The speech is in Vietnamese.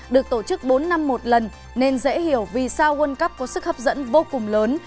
được tổ chức bốn năm một lần nên dễ hiểu vì sao world cup có sức hấp dẫn vô cùng lớn